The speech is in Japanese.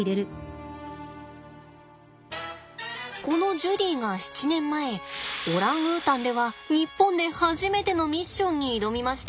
このジュリーが７年前オランウータンでは日本で初めてのミッションに挑みました。